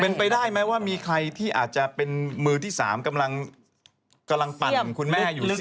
เป็นไปได้ไหมว่ามีใครที่อาจจะเป็นมือที่๓กำลังปั่นคุณแม่อยู่